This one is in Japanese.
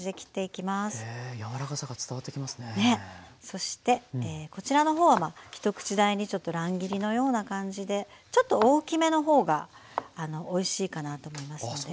そしてこちらの方は一口大にちょっと乱切りのような感じでちょっと大きめの方がおいしいかなと思いますので。